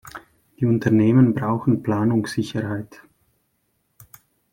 Die Unternehmen brauchen Planungssicherheit.